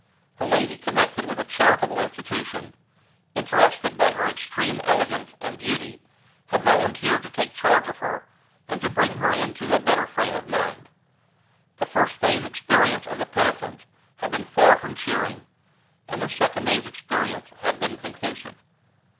A lady connected with a charitable institution ("interested by her extreme elegance and beauty") had volunteered to take charge of her, and to bring her into a better frame of mind. The first day's experience of the penitent had been far from cheering, and the second day's experience had been conclusive.